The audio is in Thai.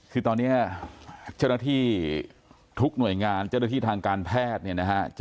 คือตอนนี้เจ้าหน้าที่ทุกหน่วยงานเจ้าหน้าที่ทางการแพทย์เนี่ยนะฮะ